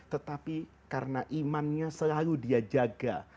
tetapi karena imannya selalu dia jaga